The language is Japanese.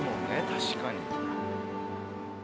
確かに。